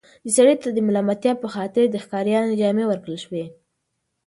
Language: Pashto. سړي ته د ملامتیا په خاطر د ښکاریانو جامې ورکړل شوې.